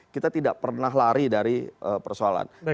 kita tidak pernah lari dari persoalan persoalan ini